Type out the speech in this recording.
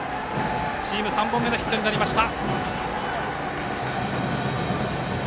チーム３本目のヒットになりました。